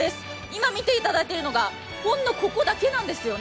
今見ていただいているのがほんのここだけなんです。